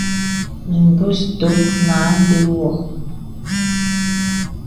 Nə̀ bùs tōk mə a dəp wɔ.